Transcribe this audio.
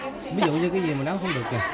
ví dụ như cái gì mà náo không được kìa